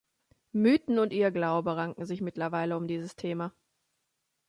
Mythen und Irrglaube ranken sich mittlerweile um dieses Thema.